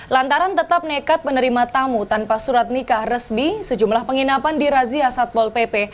lantaran tetap nekat menerima tamu tanpa surat nikah resmi sejumlah penginapan di razia satpol pp